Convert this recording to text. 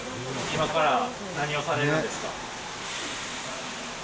今から何をされるんですか。